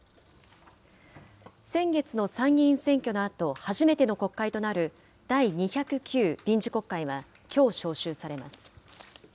先月の参議院選挙のあと、初めての国会となる第２０９臨時国会は、きょう召集されます。